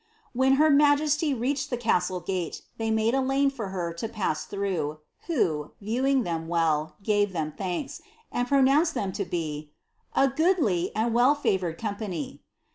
When her majesty reached the castle gate, they made a lane foi her la paM through, who, viewing them well, gave them thanks, and pro ~ them to be ^ a goodly and well favoured company."